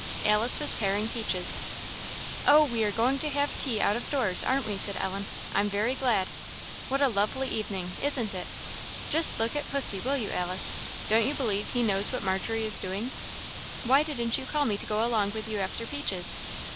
Alice was paring peaches. "Oh, we are going to have tea out of doors, aren't we!" said Ellen. "I'm very glad. What a lovely evening! isn't it? Just look at pussy, will you, Alice? don't you believe he knows what Margery is doing? Why didn't you call me to go along with you after peaches?"